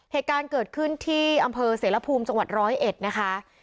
เหตุการณ์เกิดขึ้นที่อำเภอเสรภูมิจังหวัดร้อยเอ็ดนะคะ